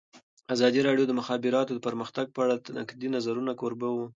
ازادي راډیو د د مخابراتو پرمختګ په اړه د نقدي نظرونو کوربه وه.